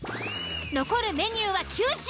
残るメニューは９品。